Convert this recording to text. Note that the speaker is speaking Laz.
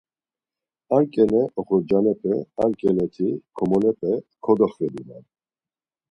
Ar ǩele oxorcalepe, ar ǩeleti ko-molepe kodoxedunan.